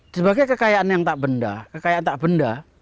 sebagai kekayaan yang tak benda kekayaan tak benda